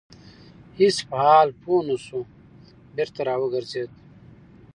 هیڅ په حال پوه نه شو بېرته را وګرځيده.